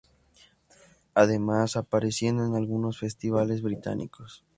Además apareciendo en algunos festivales británicos.